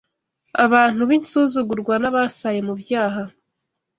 abantu b’insuzugurwa n’abasaye mu byaha,